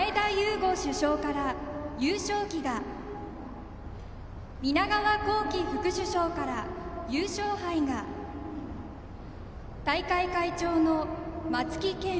伍主将から優勝旗が南川幸輝副主将から優勝杯が大会会長の松木健